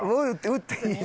打っていい。